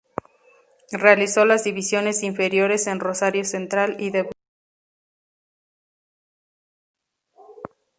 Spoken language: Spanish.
Realizó las divisiones inferiores en Rosario Central y debutó profesionalmente en ese club.